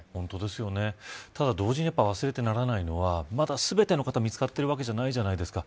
同時に、忘れてはならないのはまだ全ての方が見つかっているわけじゃないじゃないですか。